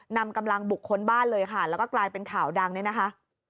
นำกำลังบุคคลบ้านเลยค่ะแล้วก็กลายเป็นข่าวดังเนี่ยนะคะ